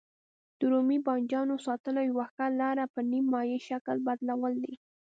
د رومي بانجانو ساتلو یوه ښه لاره په نیم مایع شکل بدلول دي.